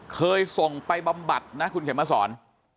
เคยส่งไปบำบัดนะคุณเข็มมาสอน